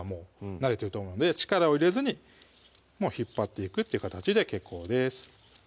慣れてると思うので力を入れずに引っ張っていくっていう形で結構です